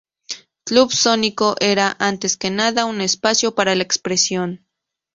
Club Sónico era, antes que nada, un espacio para la expresión.